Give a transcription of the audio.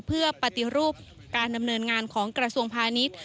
เพื่อปฏิรูปการดำเนินงานของกระทรวงพาณิชย์